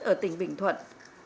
ở tỉnh bình thuận